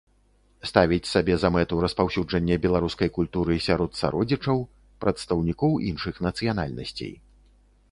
Ставіць сабе за мэту распаўсюджанне беларускай культуры сярод сародзічаў, прадстаўнікоў іншых нацыянальнасцей.